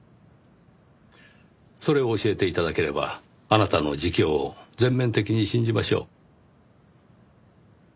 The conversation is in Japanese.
それを教えて頂ければあなたの自供を全面的に信じましょう。